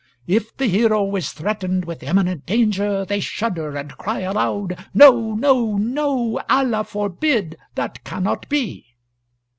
If the hero is threatened with imminent danger, they shudder and cry aloud, 'No, no, no; Allah forbid! that cannot be!'